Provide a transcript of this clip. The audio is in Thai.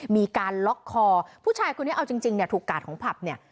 มีการล็อกคอผู้ชายคนนี้เอาจริงเนี่ยถูกกาดของผับเนี่ย